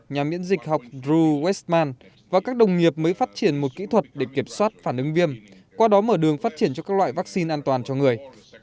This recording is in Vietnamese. nhà miễn dịch học drew westman và các đồng nghiệp mới phát triển một kỹ thuật để kiểm soát phản ứng viêm qua đó mở đường phát triển cho các loại vaccine an toàn cho người